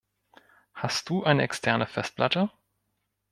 Hast du eine externe Festplatte?